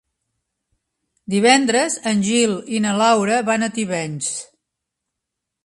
Divendres en Gil i na Laura van a Tivenys.